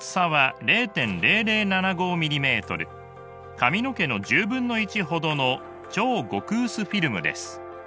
髪の毛の１０分の１ほどの超極薄フィルムです。